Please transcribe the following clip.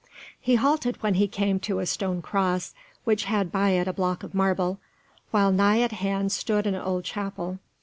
He halted when he came to a stone cross, which had by it a block of marble, while nigh at hand stood an old chapel.